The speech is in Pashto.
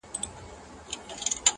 • چي فتوا و میکدو ته په تلو راوړي..